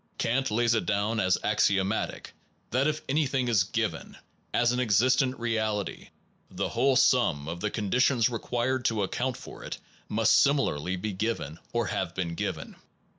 Kant lays it down as axiomatic that if anything is given, as an existent reality, the whole sum of the conditions required to ac count for it must similarly be given, or have been given.